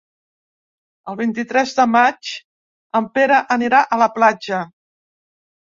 El vint-i-tres de maig en Pere anirà a la platja.